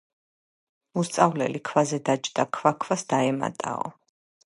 უსწავლელი ქვაზე დაჯდა, ქვა ქვას დაემატაო.